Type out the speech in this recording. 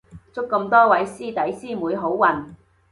祝咁多位師弟師妹好運